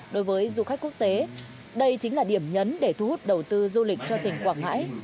đối với du khách quốc tế đây chính là điểm nhấn để thu hút đầu tư du lịch cho tỉnh quảng ngãi